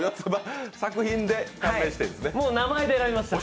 作品で感銘しているんですね。